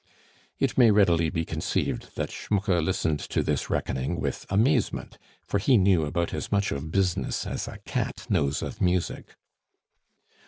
It may readily be conceived that Schmucke listened to this reckoning with amazement, for he knew about as much of business as a cat knows of music.